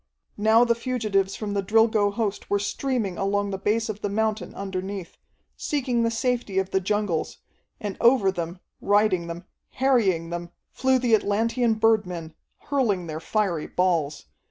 Now the fugitives from the Drilgo host were streaming along the base of the mountain underneath, seeking the safety of the jungles, and over them, riding them, harrying them, flew the Atlantean birdmen, hurling their fiery balls.